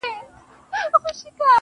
هر څه منم پر شخصيت باندي تېرى نه منم,